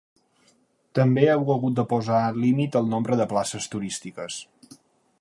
També heu hagut de posar límit al nombre de places turístiques.